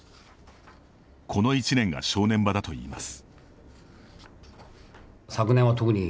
この１年が正念場だといいます。